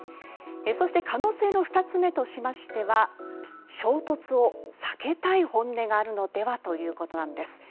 そして可能性の２つ目としましては衝突を避けたい本音があるのではということなんです。